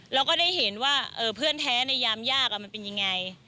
เราก็ได้เห็นว่าเพื่อนแท้ในยามยากมันเป็นยังไง